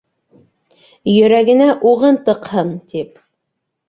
Йөрәгенә уғын тыҡһын, тип.